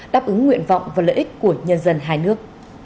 đáp ứng nguyện vọng và lợi ích của nhân dân hai nước